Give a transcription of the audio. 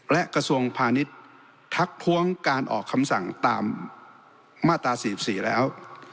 และกระทรวงพาณิชย์ทักท้วงการออกคำสั่งตามมาตรา๔๔แล้ว